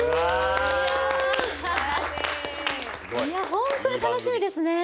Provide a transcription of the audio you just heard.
本当に楽しみですね。